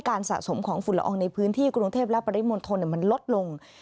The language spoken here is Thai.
สะสมของฝุ่นละอองในพื้นที่กรุงเทพและปริมณฑลมันลดลง